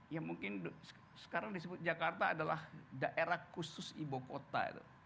ya mungkin sekarang disebut jakarta adalah daerah khusus ibukota